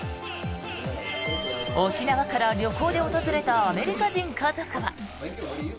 沖縄から旅行で訪れたアメリカ人家族は。